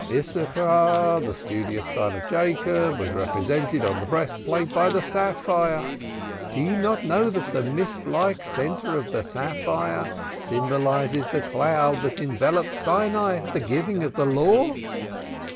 Issachar, the studious son of Jacob, was represented on the Breast plate by the sapphire. Do you not know that the mist like centre of the sapphire symbolizes the cloud that enveloped Sinai at the giving of the Law?"